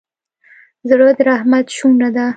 زړه د رحمت شونډه ده.